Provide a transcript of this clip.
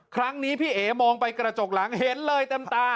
ครั้งนี้พี่เอ๋มองไปกระจกหลังเห็นเลยเต็มตา